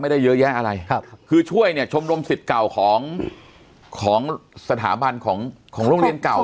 ได้เยอะแยะอะไรครับคือช่วยเนี่ยชมรมสิทธิ์เก่าของของสถาบันของของโรงเรียนเก่า